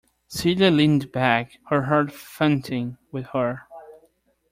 Celia leaned back, her heart fainting within her.